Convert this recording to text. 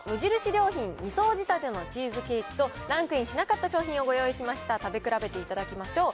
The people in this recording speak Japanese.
良品２層仕立てのチーズケーキと、ランクインしなかった商品をご用意しました、食べ比べていただきましょう。